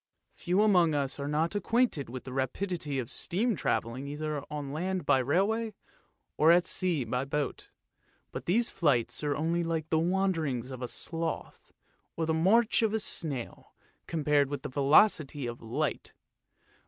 Few amongst us are not acquainted with the rapidity of steam travelling either on land by railway, or at sea by boat, but these flights are only like the wanderings of the sloth, or the march of the snail, compared with the velocity of light.